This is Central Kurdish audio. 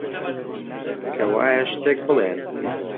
کەوایە، شتێک بڵێن!